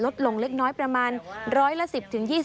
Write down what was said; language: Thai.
ลดลงเล็กน้อยประมาณ๑๐๐ละ๑๐ถึง๒๐ค่ะ